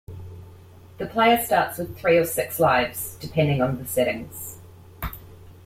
The player starts with three or six lives, depending on the settings.